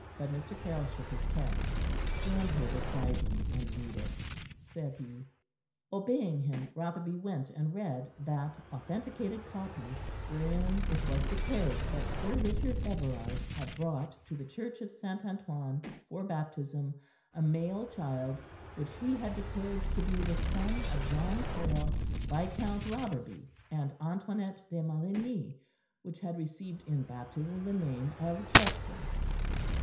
But Mr. Caryll shook his head. "Stand here beside me, and read it," said he. Obeying him, Rotherby went and read that authenticated copy, wherein it was declared that Sir Richard Everard had brought to the Church of St. Antoine for baptism a male child, which he had declared to be the son of John Caryll, Viscount Rotherby, and Antoinette de Maligny, and which had received in baptism the name of Justin.